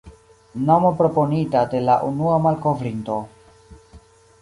Nomo proponita de la unua malkovrinto.